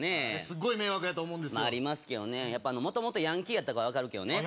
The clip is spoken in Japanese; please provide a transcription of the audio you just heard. すっごい迷惑やと思うんですよありますけどね元々ヤンキーやった子は分かるけどね